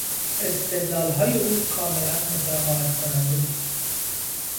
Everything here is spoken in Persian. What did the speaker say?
استدلالهای او کاملا متقاعد کننده بود.